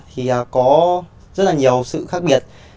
thì có rất là nhiều sự khác biệt